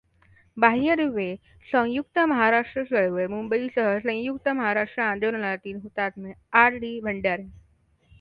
बाह्य दुवे संयुक्त महाराष्ट्र चळवळ मुंबईसह संयुक्त महाराष्ट्र आंदोलनातील हुतात्मे आर. डी. भंडारे